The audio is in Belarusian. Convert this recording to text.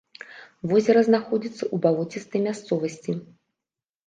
Возера знаходзіцца ў балоцістай мясцовасці.